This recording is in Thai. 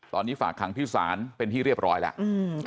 ตอนนี้ฝากขังที่ศาลเป็นที่เรียบร้อยแล้ว